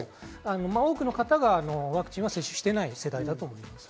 多くの方がワクチンは接種していない世代だと思います。